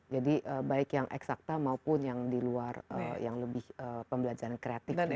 jadi baik yang exacta maupun yang diluar yang lebih pembelajaran kreatif juga ya